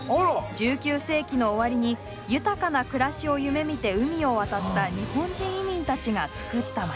１９世紀の終わりに豊かな暮らしを夢みて海を渡った日本人移民たちが作った町。